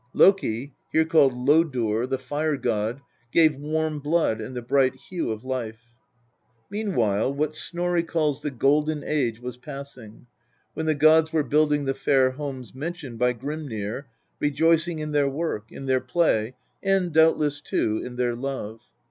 Loki (here called Lodur), the fire god, gave warm blood and the bright hue of life, Meanwhile, what Snorri calls the "golden age" was passing, when the gods were building the fair homes mentioned by Griinmr, rejoicing in their work, in their play, and doubtless, too, in their love.